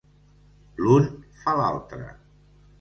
L'un fa l'altre.